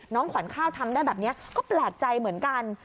ขวัญข้าวทำได้แบบนี้ก็แปลกใจเหมือนกัน